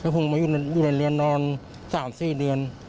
แล้วผมมาอยู่ในเรือนนอน๓๔เดือน